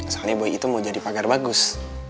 soalnya bayi itu mau jadi pagar bagus